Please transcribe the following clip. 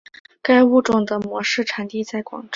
该物种的模式产地在广州。